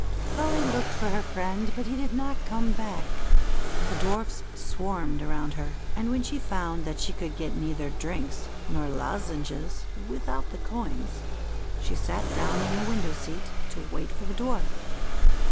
Polly looked for her friend, but he did not come hack. The dwarfs swarmed around her, and w'hen she found that she could get neither drinks nor lozenges without the coins, she sat down in a window seat to wait for the Dwarf.